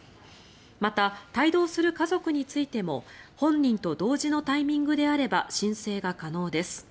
また、帯同する家族についても本人と同時のタイミングであれば申請が可能です。